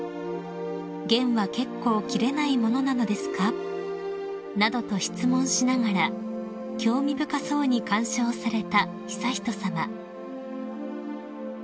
「弦は結構切れないものなのですか？」などと質問しながら興味深そうに鑑賞された悠仁さま］